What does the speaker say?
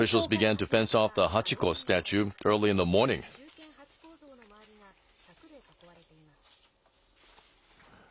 忠犬ハチ公像の周りが柵で囲われています。